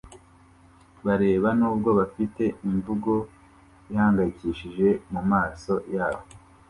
bareba nubwo bafite imvugo ihangayikishije mumaso yabo